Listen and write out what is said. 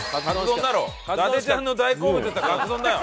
伊達ちゃんの大好物っていったらかつ丼だよ！